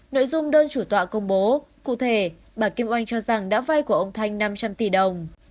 nội dung đơn chủ tọa công bố cụ thể bà kim oanh cho rằng đã vay của ông thanh năm trăm linh tỷ đồng